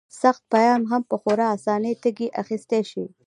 سخت پیغام هم په خورا اسانۍ ترې اخیستی شي.